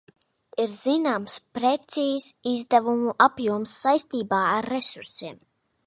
Ir zināms precīzs izdevumu apjoms saistībā ar resursiem.